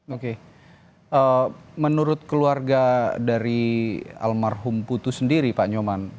oke menurut keluarga dari almarhum putu sendiri pak nyoman